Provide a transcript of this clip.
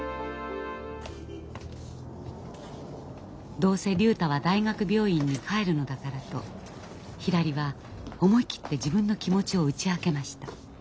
どうせ竜太は大学病院に帰るのだからとひらりは思い切って自分の気持ちを打ち明けました。